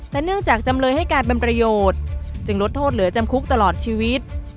แต่เนื่องจากจำเลยให้การเป็นประโยชน์จึงลดโทษเหลือจำคุกตลอดชีวิต